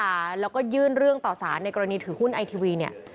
ฟันคุณพิทหาและยื่นเรื่องต่อสารในกรณีถือหุ้นไอทีวี